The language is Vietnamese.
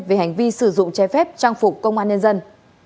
về hành vi sử dụng che phép trang phục công an nhân dân